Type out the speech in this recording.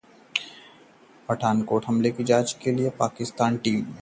पठानकोट हमले की जांच के लिए भारत पहुंची पाकिस्तानी जांच टीम